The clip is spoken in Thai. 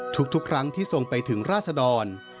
ทุกครั้งที่ทรงไปถึงราศดร